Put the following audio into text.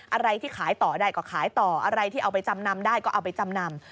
อะไรที่ขายต่อได้ก็ขายต่ออะไรที่เอาไปจำนำได้ก็เอาไปจำนำ